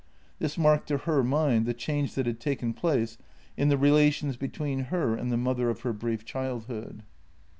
This marked to her mind the change that had taken place in the relations between her and the mother of her brief childhood.